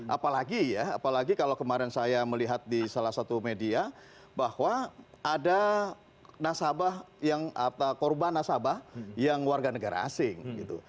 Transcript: apalagi ya apalagi kalau kemarin saya melihat di salah satu media bahwa ada nasabah yang korban nasabah yang warga negara asing gitu